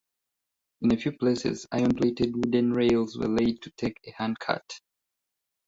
In a few places iron-plated wooden rails were laid to take a handcart.